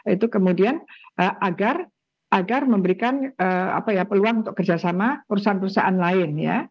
itu kemudian agar memberikan peluang untuk kerjasama perusahaan perusahaan lain ya